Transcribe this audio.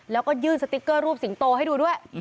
แล้วก็ยื่นสติ๊กเกอร์รูปสิงโตให้ดูด้วย